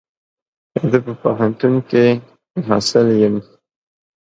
زه په پوهنتون کي محصل يم.